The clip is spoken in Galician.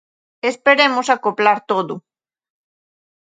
Esperemos acoplar todo.